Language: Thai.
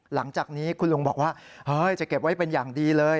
หลังจากนี้คุณลุงบอกว่าจะเก็บไว้เป็นอย่างดีเลย